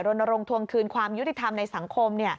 รณรงค์ทวงคืนความยุติธรรมในสังคม